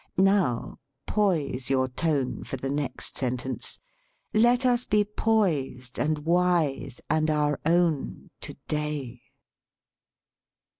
Now poise your tone for the next sentence. "Let us be poised, arid wise, and our own, to day."